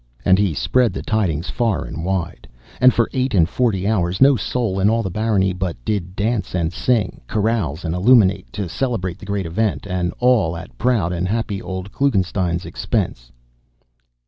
And he spread, the tidings far and wide, and for eight and forty hours no soul in all the barony but did dance and sing, carouse and illuminate, to celebrate the great event, and all at proud and happy old Klugenstein's expense.